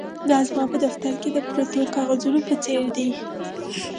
دا زما په دفتر کې د پرتو کاغذونو په څیر دي